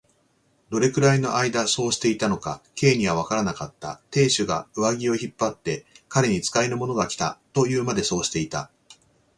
どれくらいのあいだそうしていたのか、Ｋ にはわからなかった。亭主が上衣を引っ張って、彼に使いの者がきた、というまで、そうしていた。